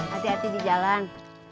hati hati di jalan